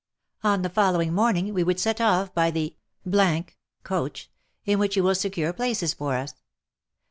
On the following morning we would set off by the coach, in which you will secure places for us.